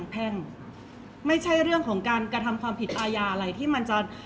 เพราะว่าสิ่งเหล่านี้มันเป็นสิ่งที่ไม่มีพยาน